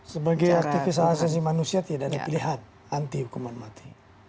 sebagai aktivis asasi manusia tidak ada pilihan anti hukuman mati